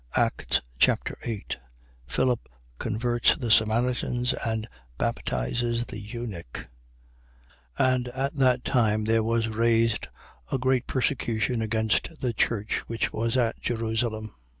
Acts Chapter 8 Philip converts the Samaritans and baptizes the eunuch. 8:1. And at that time, there was raised a great persecution against the church which was at Jerusalem.